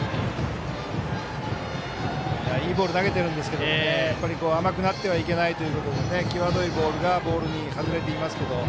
いいボール投げてるんですけど甘くなってはいけないということで際どいボールがボールに外れていますけど。